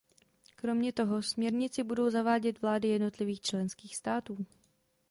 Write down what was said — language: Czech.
Kromě toho, směrnici budou zavádět vlády jednotlivých členských států.